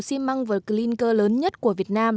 xi măng và clanker lớn nhất của việt nam